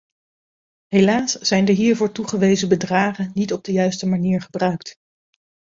Helaas zijn de hiervoor toegewezen bedragen niet op de juiste manier gebruikt.